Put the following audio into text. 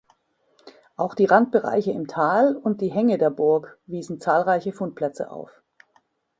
Auch die Randbereiche im Tal und die Hänge der Burg wiesen zahlreiche Fundplätze auf.